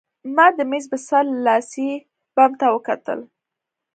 ما د مېز په سر لاسي بم ته وکتل